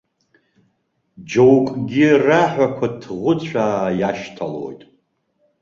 Џьоукгьы раҳәақәа ҭӷәыцәаа иашьҭалоит.